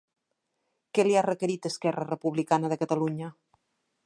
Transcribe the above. Què li ha requerit Esquerra Republicana de Catalunya?